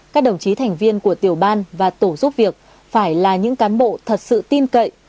các đồng chí thành viên của tiểu ban và tổ giúp việc phải là những cán bộ thật sự tin cậy